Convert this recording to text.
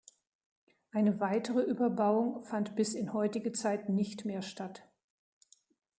Eine weitere Überbauung fand bis in heutige Zeit nicht mehr statt.